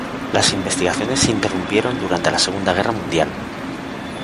Las investigaciones se interrumpieron durante la Segunda Guerra Mundial.